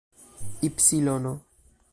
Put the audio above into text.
ipsilono